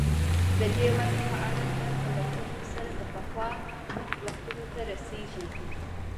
د دې وضع په اړه د پلټنو سر د پخوا وختونو ته رسېږي.